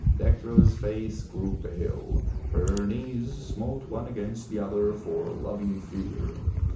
*' Dectera's face grew pale, her knees smote one against the other for loving fear.